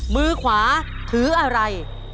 มือขวาถืออะไร